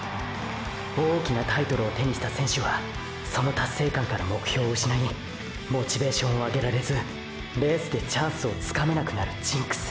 大きなタイトルを手にした選手はその達成感から目標を失いモチベーションを上げられずレースでチャンスをつかめなくなるジンクス。